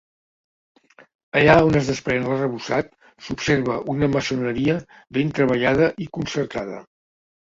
Allà on es desprèn l'arrebossat s'observa una maçoneria ben treballada i concertada.